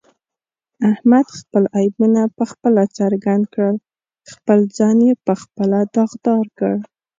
احمد خپل عیبونه په خپله څرګند کړل، خپل ځان یې په خپله داغدارکړ.